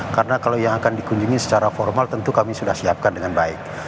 karena kalau yang akan dikunjungi secara formal tentu kami sudah siapkan dengan baik